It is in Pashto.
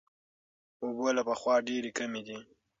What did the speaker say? اوبه له پخوا ډېرې کمې دي.